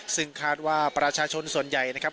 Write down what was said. ซึ่งคาดว่าประชาชนส่วนใหญ่นะครับ